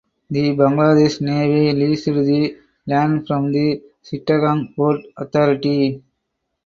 The Bangladesh Navy leased the land from the Chittagong Port Authority.